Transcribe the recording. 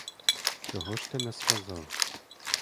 Чого ж ти не сказав?